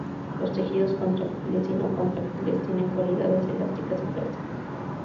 Los tejidos contráctiles y no contráctiles tienen cualidades elásticas y plásticas.